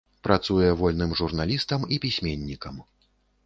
Працуе вольным журналістам і пісьменнікам.